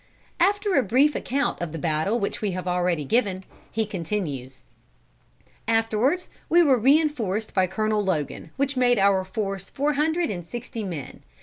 After a brief account of the battle which we have already given, he continues: "Afterwards we were reinforced by Colonel Logan, which made our force four hundred and sixty men.